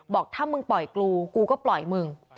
บอกถ้ามึงปล่อยกูกูก็ปล่อยมึง